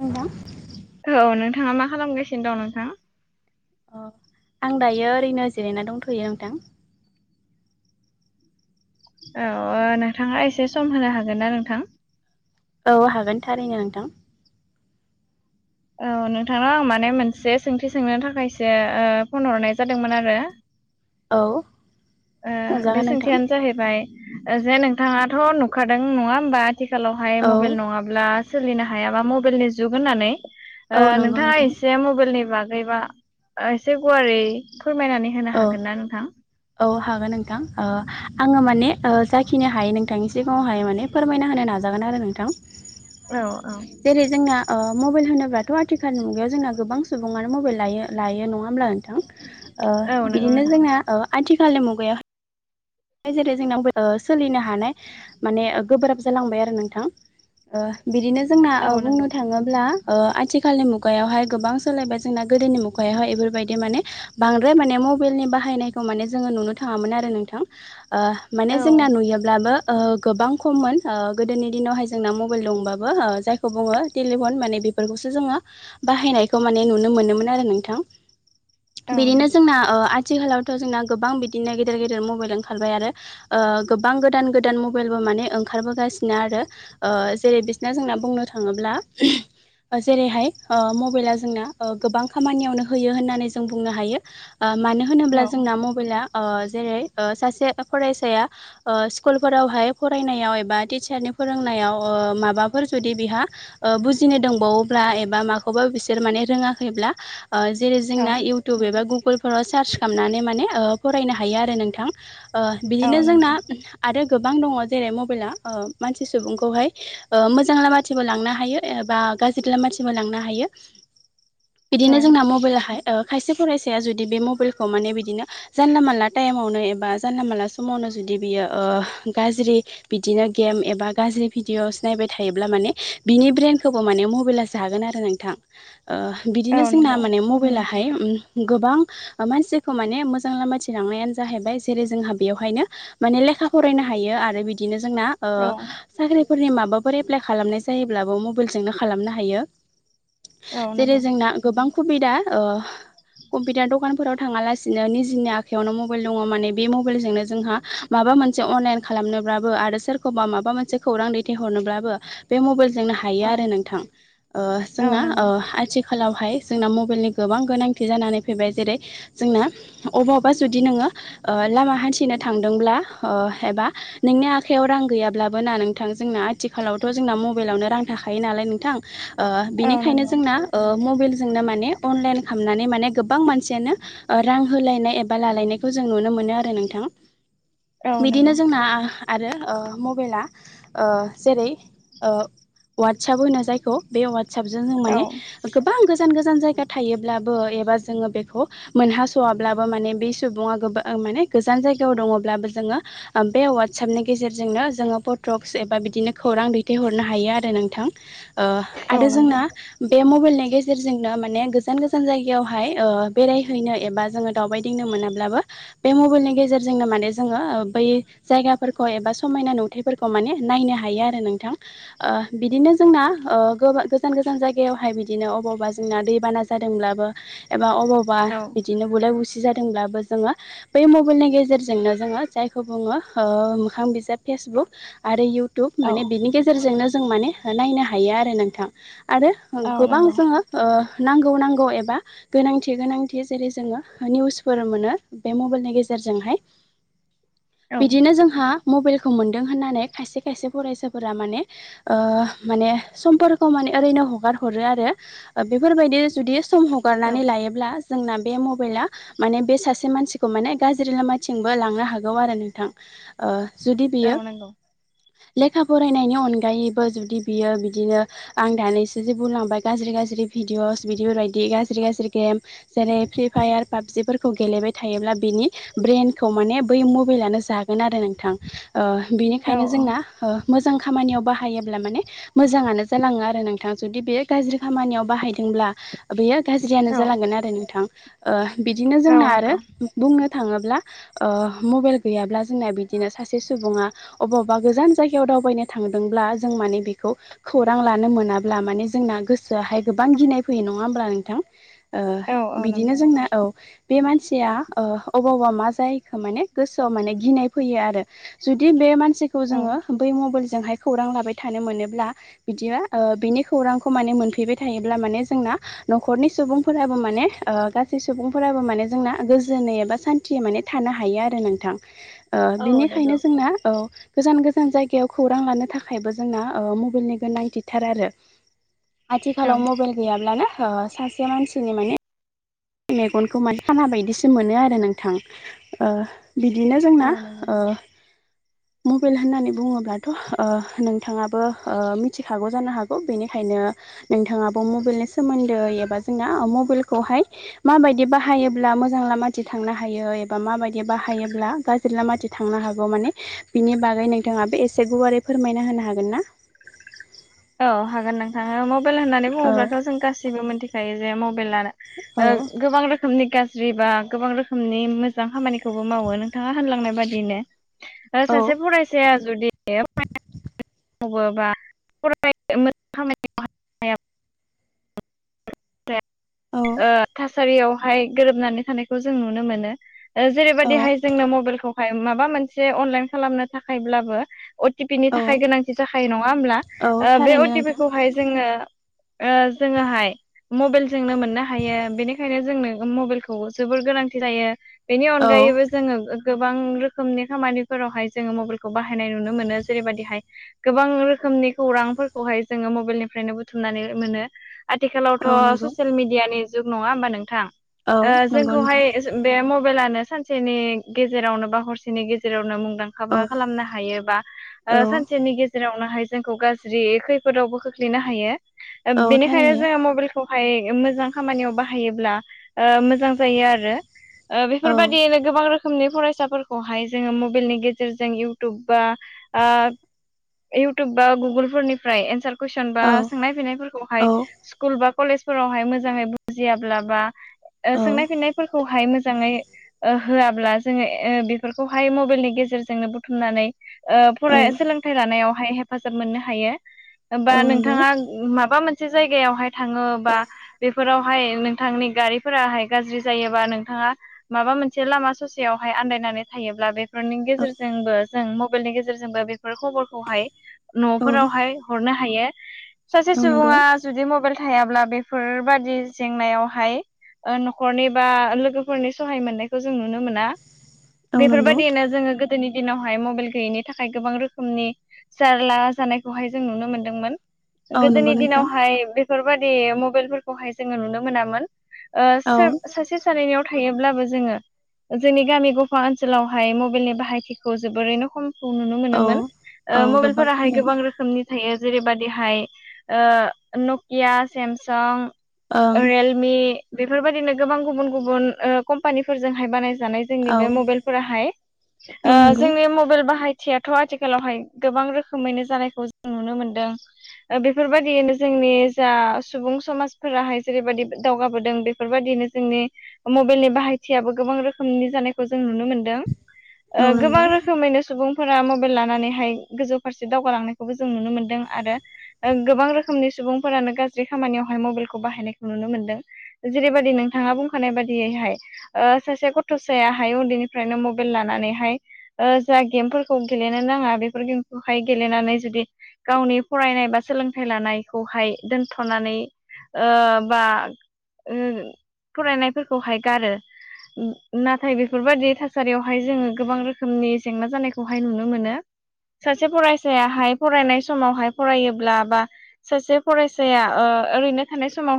नोंथां औ नोंथाङा मा खालामगासिनो दं नोंथाङा अह आं दायो ओरैनो जिरायना दंथ'यो नोंथां औ नोंथाङा एसे सम होनो हागोन ना नोंथां औ हागोन थारैनो नोंथां औ नोंथांनाव आं माने मोनसे सोंथि सोंनो थाखायसो फन हरनाय जादोंमोन आरो औ बे सोंजागोन नोंथां सोंथियानो जाहैबाय जे नोंथाङाथ' नुखादों नङा होमबा आथिखालावहाय औ मबाइल नङाब्ला सोलिनो हायाबा मबाइलनि जुग होननानै औ नंगौ नोंथाङा नोंथां एसे मबाइलनि बागै बा एसे गुवारै फोरमायनानै होनो औ हागोन ना नोंथां औ हागोन नोंथां आङो माने जाखिनो हायो नोंथांनि सिगाङावहाय माने फोरमायना होनो नाजागोन आरो नोंथां औ औ जेरै जोंना मबाइल होनोब्लाथ' आथिखालनि मुगायाव जोंना गोबां सुबुङानो मबाइल लायो-लायो नङा होनब्ला नोंथां औ नंगौ बिदिनो नोंथां। जोंना आथिखालनि मुगायाव जेरै जोंनाव सोलिनो हानाय माने गोब्राब जालांबाय आरो नोंथां बिदिनो जोंना औ नंगौ बुंनो थाङोब्ला आथिखालनि मु मुगायावहाय गोबां सोलायबाय जोंना गोदोनि मुगायावहाय बेफोरबायदि माने बांद्राय माने मबाइलनि बाहायनाय माने जोंङो नुनो थांङामोन आरो नोंथां औ माने जोंना नुयोब्लाबो गोबां खममोन गोदोनि दिनावहाय जोंना मबाइल दंबाबो जायखौ बुङो टेलिफन माने बेफोरखौसो जोंङो बाहायनायखौ माने नुनो मोनोमोन आरो नोंथां औ नों बिदिनो जोंना आथिखालावथ जोंना गोबां बिदिनो गेदेर गेदेर मबाइल ओं ओंखारबाय आरो गोबां गोदान गोदान मबाइलबो माने ओंखारबोगासिनो ना आरो जेरै बिसना जोंना बुंनो थाङोब्ला जेरैहाय मबाइला जोंना गोबां खामानियावनो होयो होननानै जों बुंनो हायो मानो होनोब्ला जोंना मबाइला जेरै सासे फरायसाया स्कुल फोरावहाय फरायनायाव एबा टिचारनि फोरोंनायाव माबा माबाफोर जुदि बिहा बुजिनो दंबावोब्ला एबा माखौबा बिसोर माने रोङाखैब्ला जेरै औ जोंना इउटुब एबा गु गुगोलफोराव सार्च खालामनानै माने फरायनो हायो आरो नोंथां औ बिदिनो औ जोंना नंगौ। आरो गोबां दङ जेरै मबाइला मानसि सुबुंखौहाय मोजां लामाथिंबो लांनो हायो एबा गाज्रि लामाथिंबो लांनो हायो [inaudible] औ बिदिनो जोंना मबाइलाहाय खायसे फरायसाया जुदि बे मबाइलखौ माने बिदिनो जानला मोनला टाइमावनो एबा जानला मोनला समावनो जुदि बियो गाज्रि बिदिनो गेम एबा गाज्रि भिडिअस नायबाय थायोब्ला माने बिनि ब्रेनखौबो माने मबाइला जागोन आरो नोंथां औ बिदिनो जोंना नंगौ माने मबाइला गोबां मानसिखौ माने मोजां लामाथिं लांनायानो जाहैबाय जेरै जोंहा बेयावहायनो माने लेखा फरायनो हायो आरो बिदिनो जोंना औ साख्रि फोरनि माबाफोर एप्लाइ खालामनाय जायोब्लाबो मबाइलजोंनो खालामनो हायो औ जेरै नंगौ जोंना गोबां सुबिदा कम्पिटार दखानफोराव थाङा लासिनो निजिनि आखायावनो मबाइल दङ माने बे मबाइलजोंनो जोंहा माबा मोनसे अनलाइन खालामनोब्लाबो आरो सोरखौबा माबा मोनसे खौरां दैथायहरनो ब्लाबो बे मबाइल जोंनो हायो औ आरो नोंथां औ जोंना नंगौ आथिखालावहाय जोंना मबाइलनि गोबां गोनांथि जानानै फैबाय जेरै जोंना अबावबा जुदि नोङो लामा हान्थिनो थांदोंब्ला एबा नोंनि आखायाव रां गैयाब्लाबो ना नोंथां जोंना आथिखालावथ' जोंना मबाइलावनो रां थाखायो नालाय नोंथां औ बिनिखायनो नंगौ जोंना मबाइल जोंनो माने अनलाइन खालामनानै माने गोबां मानसियानो रां होलायनाय एबा लालायनाय जों नुनो मोनो आरो नोंथां औ नंगौ बिदिनो जोंना आरो मबाइलाओ जेरै ववाट्सप होनो जायखौ बे वाट्सपजों जों औ माने गोबां गोजान गोजान जान जायगा थायोब्लाबो एबा जोङो बेखौ मोनहासव्लाबो माने बे सुबुं ओ माने गोजान जायगायाव दङब्लाबो जोङो बे वाट्सपनि गेजेरजोंनो जोङो फटक्स एबा बिदिनो खौरां दैथायहरनो हायो आरो नोंथां औ आरो नंगौ जोंना बे मबाइलनि गेजेरजोंनो माने गोजान गोजान जायगायावहाय बेरायहैनो एबा जोङो दावबायदिंनो मोनाब्लाबो बे मबाइलनि गेजेरजोंनो माने जोङो बै जायगाफोरखौ एबा समायना नुथाइफोरखौ माने नायनो हायो आरो नोंथां बिदिनो जोंना गोज गोजान जायगायावहाय बिदिनोबे अबावबा जोंना दैबाना जादोंब्लाबो एबा अबावबा औ बिदिनो बुलाय बुसि जादोंब्लाबो जोङो बै मबाइलनि गेजेरजोंनो जोङो जायखौ बुङो मोखां बिजाब फेसबुक आरो इउटुब टुब माने बिनि गेजेरजोंनो जों माने नायनो हायो आरो नोंथां आरो औ नंगौ औ गोबां नंगौ जोङो नांगौ नांगौ एबा गोनांथि गोनांथि जेरै जोङो निउसफोर मोनो बे मबाइलनि गेजेरजोंहाय औ बिदिनो जोंहा मबाइलखौ मोन्दों होननानै खायसे खायसे फरायसाफोरा माने माने समफोरखौ माने ओैनो हार हरो आरो बेफोरबादि सम औ हगारनानै लायोब्ला जोंना बे मबाइला माने बे सासे सासे मानसिखौ माने गाज्रि लामाथिंबो लांनो हागौ आरो नोंथां जुदि औ बियो औ नंगौ लेखा फरायनायनि अनगायैबो जुदि बियो बिदिनो आं दानैसो जे बुंलांबाय गाज्रि गाज्रि बेफोरबादि गाज्रि गाज्रि फिदिअ बेफोरबादि गाज्रि गाज्रि गेम जेरै फिभायार, भाबजिफोरखौ गेलेबाय थायोब्ला बिनि ब्रइेनखौ माने बै मबाइलनो जागोन आरो नोंथां औ बिनिखायनो जोंना मोजां खामानियाव बाहायोब्ला माने मोजाङानो जालाङो आरो नोंथां जुदि बे गाज्रि खामानियाव बाहायदोंब्ला बेयो गाज्रियानो नंगौ जालांगोन आरो नोंथां बिदिनो जोंना औ आरो बुंनो थांडोब्ला ओ मबाइल गैयाबा जोंना बिदिनो सासे सुबुंआ अबावबा गोजोन जाय याव दावबायनो थांदोंब्ला जों माने बेखौ खौरां लानो मोनाब्ला माने जोंना गोसोआ हाय गोबां आं गिनाय फैयो नङा होमब्ला नोंथां ओ औ बिदिनो नंगौ जोंना औ बे मानसिया ओ अबावबा मा जायो खो माने गोसो आव माने गिनाय फैयो आरो जुदि बे मान मानसिखौ औ जोंडो बै मबाइल जो जोंहाय खौरां लाबाय थानो मोनोब्ला बिदि ओ बिनि खौरांखौ माने मोनफैबाय थायोब्ला माने जोंना आ न'खरनि सुबुं फोराबो माने गासै सुबुं फोराबो माने गोजोना। गोजोनै एबा सान्थि माने थानो हायो आरो नोंथां ओ औ बिनिखायनो जोंना औ। गोजान गोजान जायगायाव खौरां लानो थाखायबो जोंना ओ बाइलनि गोनांथि थार आरो। आथिखालाव मबाइल गैयाब्लानो ओ सासे मानसिनि माने मेगनखौ माने खाना बायदिसो मोनो आरो नोंथां ओ बिदिनो जोंना नंगौ ओ [inaudible] मबाइल होननानै बुङोब्लाथ' ओ नोंथाङाबो मिथिखागौ जानो हागौ बेनिखायनो नोंथाङाबो मबाइलनि सोमोन्दै एबा जोंना मबाइल खौहाय माबायदि बाहायोब्ला मोजां लामाथि थांनो हायो एबा माबायदि बाहायोब्ला गाज्रि लामाथि थांनो हागौ माने बिनि बागै नोंथाङा बे एसे गुवारै फोरमायना होनो हागोन ना? औ हागोन नोंथाङा मबाइल होननानै औ बुङोब्लाथ' जों गासिबो मोनथि खायो जे म [unintelligible] औ ओ गोबां रोखोमनि गाज्रि बा गोबां रोखोमनि मोजां खामानिखौ खौबो मावो नोंथाङा होनलांनाय बादिनो औ सासे फरायसाया जुदि मावो बा फरायो मोजां खामानियाव [unintelligible] औ ओ थासारियावहाय गोरोबनानै थानायखौ जों नुनो मोनो औ जेरैबायदिहाय जोंनो मबाइलखौहाय माबा मोनसे अनलाइन खालामनो थाखायब्लाबो अ टि पि नि औ थाखाय गोनांथि जाखायो नङा होमब्ला औ बे अ थारैनो टि पि नोंथां खौहाय जोङो ओ जोङोहाय मबाइलजोंनो मोननो हायो बेनिखायनो जोंनो मबाइलखौ जोबोर गोनांथि जायो बेनि औ अनगायैबो जोङो गोबां रोखोमनि खामानिफोरावहाय जोङो मबाइलखौ बाहायनाय नुनो मोनो जेरैबायाददिहाय गोबां रोखोमनि खौरांफोरखौहाय जोङो मबाइलनिफ्रायनो बुथुमनानै मोनो आथिखालावथ' औ नंगौ ससियेल मिडियानि जुग नङा होमबा नोंथां औ नंगौ जोंखौहाय नोंथां बे मबाइलानो। सानसेनि गेजेरावनो बा हरसेनि गेजेरावनो मुं दांखाबो औ खालामनो हायो बा ओ औ सानसेनि गेजेर [unintelligible] जोंखौ गाज्रि खैफोदावबो खोख्लैनो हायो। औ बेनिखायनो थारैनो जोङो मबाइलखौ हाय मोजां खामानियाव बाहायोब्ला ओ मोजां जायो आरो। ओ औ बेफोरबादियैनो गोबां रोख खोमनि फरायसाफोरखौहाय जोङो मबाइलनि गेजेरजों इउटुब बा ओ इउटुब बा गुगोलफोरनिफ्राय एन्सार कुइसन बा सोंनाय फिनायफोरखौहाय औ स्कुल बा कलेजफोरावहाय मोजाङै बुजियाब्ला बा औ सोंनाय फिन्नायफोरखौहाय मोज जाङै होआब्ला जोङो ओ बेफोरखौहाय मबाइलनि गेजेरजोंनो बुथुमनानै ओ औ फराय सोलोंथाइ लानायावहाय हेफाजाब मोननो हायो बा औ नंगौ नोंथाङा माबा मोन से जायगायावहाय थाङो बा बेफोराव हाय नोंथांनि गारिफोराहाय गाज्रि जायोबा नोंथाङा माबा मोनसे लामा ससेयावहाय आन्दायना नानै थायोब्ला बेफोरनि औ गेजेरजोंबो जों मबाइलनि गेजेरजोंबो बेफोर खबर औ न'फोरावहाय हरनो हायो। सासे औ नंगौ सुबुङा जुदि मबाइल थायाब्ला बेफोरबादि जेंनायावहाय ओ न'खरनि बा लोगोफोरनि सहाय मोननायखो जों नुनो मोना। औ नंगौ बेफोरबायदिनो जोङो गोद दोनि दिनावहाय मबाइल गैयैनि थाखाय गोबां रोखोमनि जारला जानायखौहाय जों नुनो मोनदोंमोन। औ नंगौ गोदोनि नोंथां दिनावहाय बे बेफोरबादि मबाइलफोरखौहाय जोङो नुनो मोनामोन। ओ औ सो सासे सानैनियाव थायोब्लाबो जोङो जोंनि गामि गफा ओनसोलावहाय मबाइलनि बाहायथिखौ जोबोरैनो खम खौ नुनो औ मोनोमोन। औ ओ गोबां मबाइलाहाय खममोन गोबां रोखोमनि थायो। जेरैबायदिहाय ओ नकिया सेमसं ओं रियेलमि बेफोरबायदिनो गोबां गुबुन-गुबुन ओ कम्पानिफोरजोंहाय बानाय जानाय जोंनि औ बे मबाइलफोराहाय ओ औ नंगौ जोंनि मबाइल बाहायथियाथ' आथिखालावहाय गोबां रोखोमैनो जानायखौ जों नुनो मोनदों। बेफोरबायदियैनो जोंनि जा सुबुं समाजफोराहाय जेरैबायदि दावगाबोदों बेफोरबायदि नो जोंनि मबाइलनि बाहायथियाबो गोबां रोखोमनि जानायखौ जों नुनो मोनदों। ओ औ गोबां नंगौ रोखोमैनो सुबुंफोरा मबाइल लानानैहाय गोजौ फारसे दावगालांनायखौबो जों नुनो मोनदों आरो गोबां रोखोमनि सुबुंफोरानो गाज्रि खामानियाव मबाइलखौ बाहायनायखौ नुनो मोनदों जेरैबायदि नोंथाङा बुंखानाय बायदियैहाय ओ सासे गथ थसायाहाय उन्दैनिफ्रायनो मबाइल लानानैहाय ओ जा गेमफोरखौ गेलेनो नाङा बेफोर गेम खौहाय गेलेनानै जुदि गावनि फरायनाय बा सोलोंथाइ लानायखौहाय दोनथ'नानै ओ बा ओ फरायनायफोरखौहाय गारो। नाथाय बेफोरबायदि थासारियावहाय जोङो गोबां रोखोमनि जेंना जानायखौहाय नुनो मोनो। सासे फरायसायाहाय फरायनाय समावहाय फरायोब्ला बा सासे फरायसाया ओ ओरैनो थानाय समावहाय